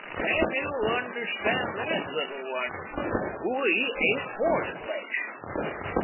"'Can you understand that, little one? We ate horseflesh.